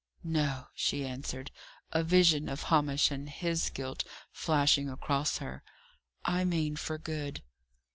"No," she answered a vision of Hamish and his guilt flashing across her "I mean for good."